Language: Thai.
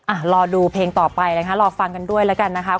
อ่ะรอดูเพลงต่อไปนะคะรอฟังกันด้วยแล้วกันนะคะ